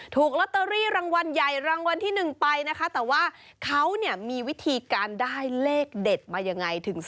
ต้องไม่ออกเลขที่บ้าน